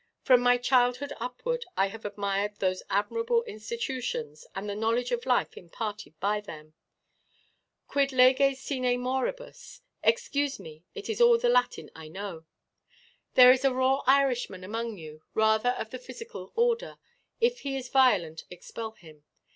From my childhood upward, I have admired those admirable institutions, and the knowledge of life imparted by them. 'Quid leges sine moribus?' Excuse me; it is all the Latin I know. "There is a raw Irishman among you, rather of the physical order; if he is violent, expel him.